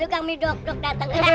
yuk kami dok dok dateng